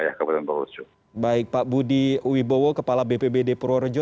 hei bepan budi wibowo kepala bpbd purworejo